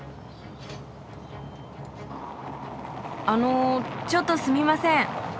あのちょっとすみません。